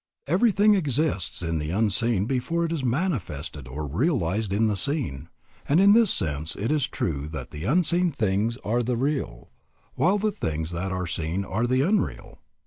Everything exists in the unseen before it is manifested or realized in the seen, and in this sense it is true that the unseen things are the real, while the things that are seen are the unreal.